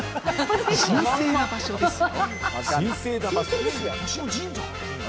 神聖な場所ですよ。